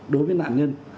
đối với nạn nhân